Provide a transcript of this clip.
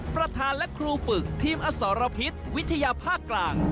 ประธานและครูฝึกทีมอสรพิษวิทยาภาคกลาง